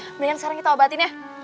mendingan sekarang kita obatin ya